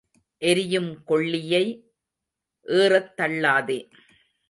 எரியும் கொள்ளியை ஏறத் தள்ளாதே.